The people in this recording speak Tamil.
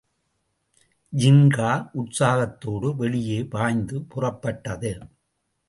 ஜின்கா உற்சாகத்தோடு வெளியே பாய்ந்து புறப்பட்டது.